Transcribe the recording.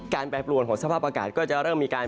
แปรปรวนของสภาพอากาศก็จะเริ่มมีการ